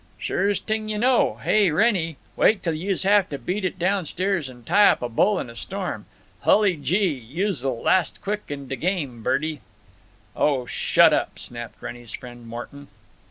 "Sures' t'ing you know. Hey, Wrennie, wait till youse have to beat it down stairs and tie up a bull in a storm. Hully gee! Youse'll last quick on de game, Birdie!" "Oh, shut up," snapped Wrennie's friend Morton.